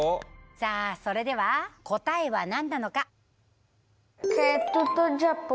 さあそれでは答えは何なのか？